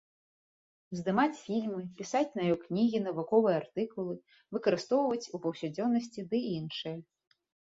Здымаць фільмы, пісаць на ёй кнігі, навуковыя артыкулы, выкарыстоўваць у паўсядзённасці ды іншае.